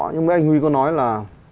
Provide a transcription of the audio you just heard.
nhưng mà anh huy có nói là